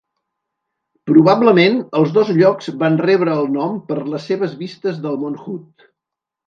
Probablement els dos llocs van rebre el nom per les seves vistes del mont Hood.